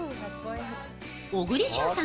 小栗旬さん